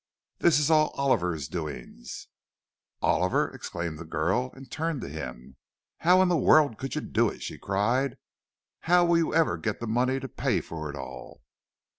"This is all Oliver's doings." "Oliver!" exclaimed the girl, and turned to him. "How in the world could you do it?" she cried. "How will you ever get the money to pay for it all?"